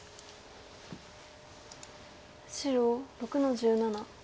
白６の十七。